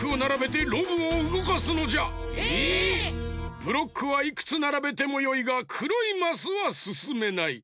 ブロックはいくつならべてもよいがくろいマスはすすめない。